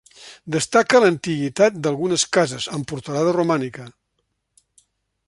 Destaca l'antiguitat d'algunes cases, amb portalada romànica.